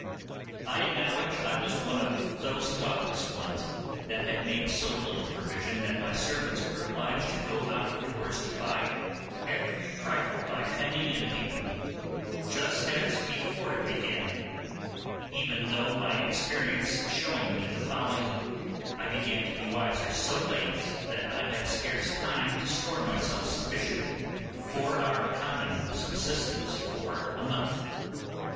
I acknowledge I was one of those thoughtless ones that had made so little provision that my servants were obliged to go out of doors to buy every trifle by penny and halfpenny, just as before it began, even till my experience showing me the folly, I began to be wiser so late that I had scarce time to store myself sufficient for our common subsistence for a month.